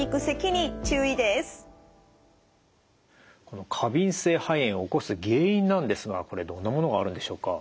この過敏性肺炎を起こす原因なんですがどんなものがあるんでしょうか？